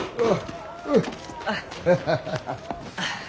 ハハハハ。